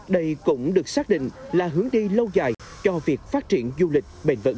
đây cũng được xác định là hướng đi lâu dài cho việc phát triển du lịch bền vững